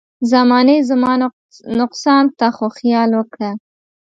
زمانې زما نقصان ته خو خیال وکړه.